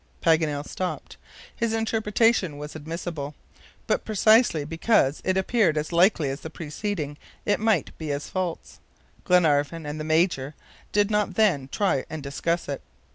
Paganel stopped. His interpretation was admissible. But precisely because it appeared as likely as the preceding, it might be as false. Glenarvan and the Major did not then try and discuss it.